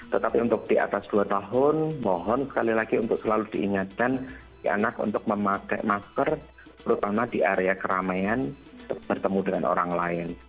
tetapi untuk di atas dua tahun mohon sekali lagi untuk selalu diingatkan si anak untuk memakai masker terutama di area keramaian bertemu dengan orang lain